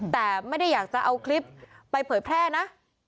แต่ไม่ได้อยากจะเอาคลิปไปเผยแพร่นะ